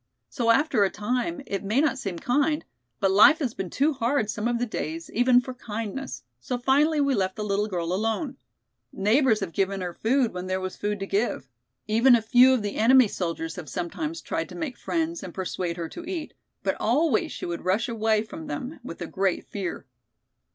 So after a time, it may not seem kind, but life has been too hard some of the days even for kindness, so finally we left the little girl alone. Neighbors have given her food when there was food to give. Even a few of the enemy soldiers have sometimes tried to make friends and persuade her to eat, but always she would rush away from them with the great fear."